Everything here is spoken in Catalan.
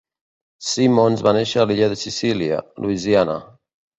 Simmons va néixer a l'illa de Sicília, Louisiana.